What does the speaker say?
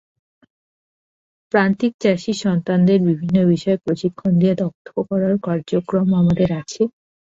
প্রান্তিক চাষির সন্তানদের বিভিন্ন বিষয়ে প্রশিক্ষণ দিয়ে দক্ষ করার কার্যক্রম আমাদের আছে।